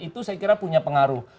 itu saya kira punya pengaruh